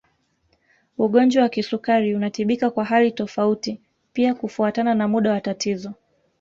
Ugonjwa wa kisukari unatibika kwa hali tofauti pia kufuatana na muda wa tatizo